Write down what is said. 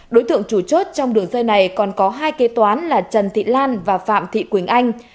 đối tượng chủ chốt trong đường dây này còn có hai kế toán là trần thị lan và phạm thị quỳnh anh